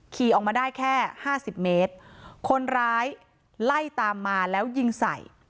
ขี่ออกมาได้แค่ห้าสิบเมตรคนร้ายไล่ตามมาแล้วยิงใส่